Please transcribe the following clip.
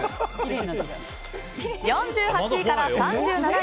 ４８位から３７位。